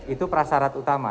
itu prasarat utama